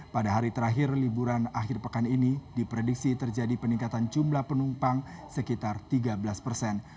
pada hari terakhir liburan akhir pekan ini diprediksi terjadi peningkatan jumlah penumpang sekitar tiga belas persen